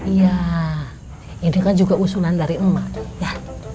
iya ini kan juga usulan dari emak ya